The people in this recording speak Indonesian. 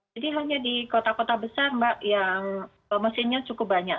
jadi hanya di kota kota besar mbak yang mesinnya cukup banyak